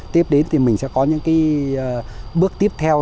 tiếp đến thì mình sẽ có những cái bước tiếp theo